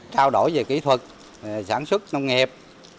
trao đổi về kỹ thuật sản xuất nông nghiệp